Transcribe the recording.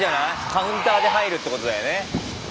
カウンターで入るってことだよね。